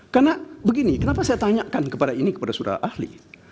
karena begini kenapa saya tanyakan kepada ini kepada saudara ahli